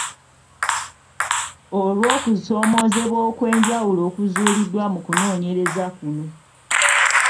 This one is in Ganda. Olw’okusomooza okw’enjawulo okuzuuliddwa mu kunoonyereza kuno.